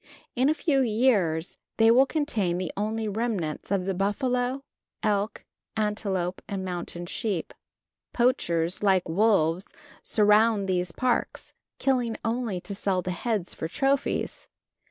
In a few years they will contain the only remnants of the buffalo, elk, antelope and mountain sheep. Poachers, like wolves, surround these parks, killing only to sell the heads for trophies.